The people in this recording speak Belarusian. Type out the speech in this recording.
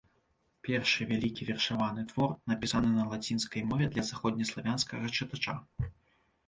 Першы вялікі вершаваны твор, напісаны на лацінскай мове для заходнеславянскага чытача.